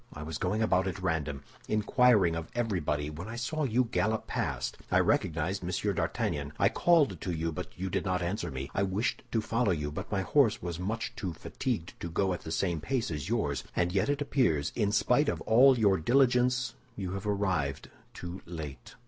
I was going about at random, inquiring of everybody, when I saw you gallop past. I recognized Monsieur d'Artagnan. I called to you, but you did not answer me; I wished to follow you, but my horse was too much fatigued to go at the same pace with yours. And yet it appears, in spite of all your diligence, you have arrived too late."